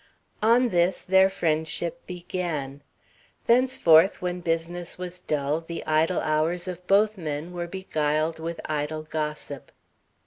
On this their friendship began. Thenceforth, when business was dull, the idle hours of both men were beguiled with idle gossip.